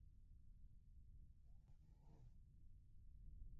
هلک د کلا په کوټه کې ناست و.